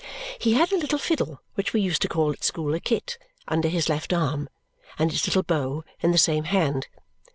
He had a little fiddle, which we used to call at school a kit, under his left arm, and its little bow in the same hand.